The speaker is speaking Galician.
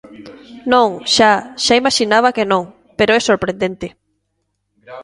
Non, xa, xa imaxinaba que non, pero é sorprendente.